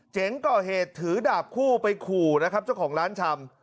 เจ๋งก่อเหตุถือดาบคู่ไปขู่นะครับเจ้าของร้านชำ